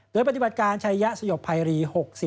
โดยปฏิบัติการชัยยะสยบไพรี๖๐๐๖๐๕